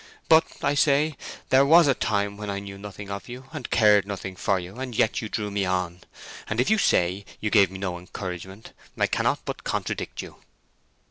But, I say, there was a time when I knew nothing of you, and cared nothing for you, and yet you drew me on. And if you say you gave me no encouragement, I cannot but contradict you."